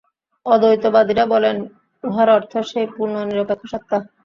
অদ্বৈতবাদীরা বলেন, উহার অর্থ সেই পূর্ণ নিরপেক্ষ সত্তা।